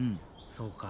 そうか。